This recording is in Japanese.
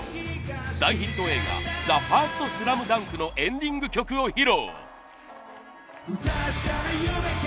大ヒット映画『ＴＨＥＦＩＲＳＴＳＬＡＭＤＵＮＫ』のエンディング曲を披露！